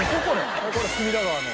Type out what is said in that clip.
これ隅田川の。